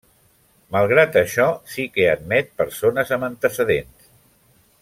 Malgrat això sí que admet persones amb antecedents.